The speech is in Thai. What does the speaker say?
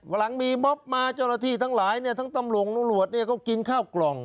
หลังมีม็อบมาเจ้าหน้าที่ทั้งหลายเนี่ยทั้งตำรวจตำรวจก็กินข้าวกล่อง